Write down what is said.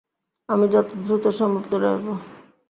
আমি যত দ্রুত সম্ভব চলে আসব!